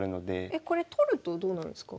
これ取るとどうなるんですか？